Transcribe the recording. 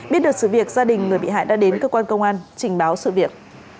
biết được sự việc gia đình người bị hại đã đến cơ quan công an trình báo sự việc